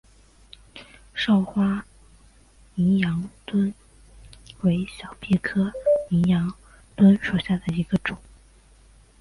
少花淫羊藿为小檗科淫羊藿属下的一个种。